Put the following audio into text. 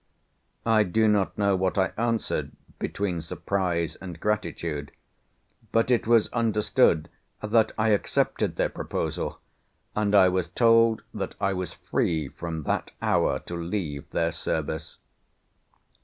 I do not know what I answered between surprise and gratitude, but it was understood that I accepted their proposal, and I was told that I was free from that hour to leave their service.